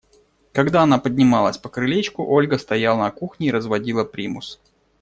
Когда она поднималась по крылечку, Ольга стояла на кухне и разводила примус.